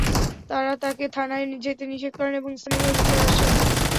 তাঁরা তাঁকে থানায় যেতে নিষেধ করেন এবং স্থানীয়ভাবে বিচারের আশ্বাস দেন।